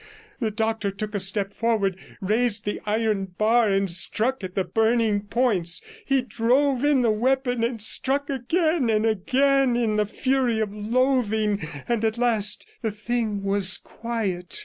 The doctor took a step forward, raised the iron bar and struck at the burning points; he drove in the weapon, and struck again and again in the fury of loathing. At last the thing was quiet.